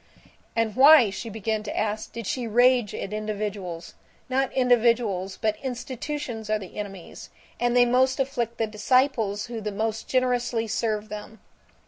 And why, she began to ask, did she rage at individuals? Not individuals but institutions are the enemies, and they most afflict the disciples who the most generously serve them.